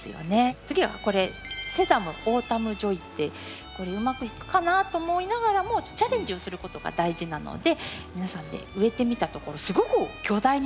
次はこれセダム‘オータムジョイ’ってこれうまくいくかなと思いながらもチャレンジをすることが大事なので皆さんで植えてみたところすごく巨大になって大好きな植物になりました。